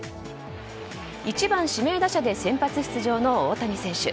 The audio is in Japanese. １番指名打者で先発出場の大谷選手。